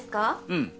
うん。